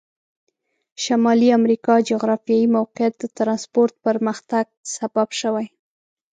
شمالي امریکا جغرافیایي موقعیت د ترانسپورت پرمختګ سبب شوي.